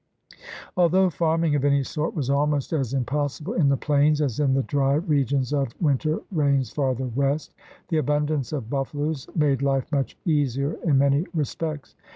Although farming of any sort was almost as im possible in the plains as in the dry regions of win ter rains farther west, the abundance of buffaloes made life much easier in many respects.